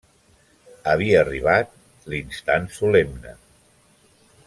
Havia arribat l'instant solemne.